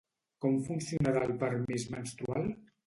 Com funcionarà el permís menstrual?